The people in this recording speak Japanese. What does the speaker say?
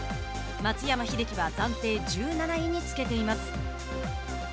松山英樹は暫定１７位につけています。